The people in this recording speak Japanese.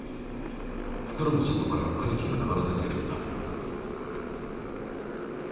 ふくろの底から空気が流れ出ているんだ。